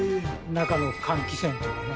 中の換気扇とかね